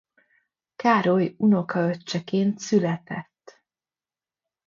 Károly unokaöccseként született.